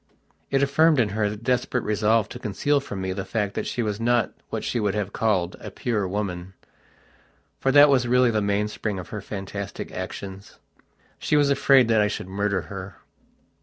It affirmed in her the desperate resolve to conceal from me the fact that she was not what she would have called "a pure woman". For that was really the mainspring of her fantastic actions. She was afraid that I should murder her....